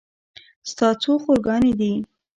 ستا څو خور ګانې دي